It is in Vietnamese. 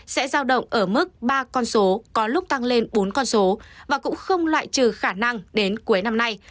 sẽ giao động ở mức ba con số có lúc tăng lên bốn con số và cũng không loại trừ khả năng đến cuối năm nay